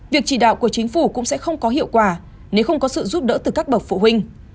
việc chỉ đạo của chính phủ cũng sẽ không có hiệu quả nếu không có sự giúp đỡ từ các bậc phụ huynh